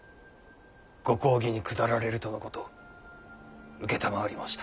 ご公儀に下られるとのこと承りました。